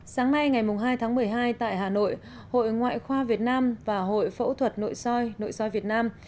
sáng nay ngày hai tháng một mươi hai tại hà nội hội ngoại khoa việt nam và hội phẫu thuật nội soi nội soi việt nam